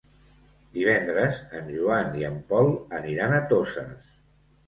Divendres en Joan i en Pol aniran a Toses.